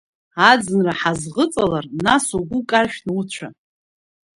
Аӡынра ҳазӷыҵалар нас угәы каршәны уцәа.